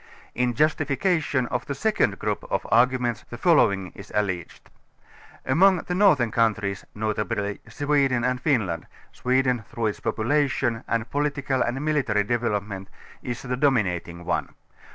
In justification of the second group of arguments the following is alleged: Among the northern countries, notably Sweden and Fin land, Sweden through its population and political and mili tary developement, is the dominating one.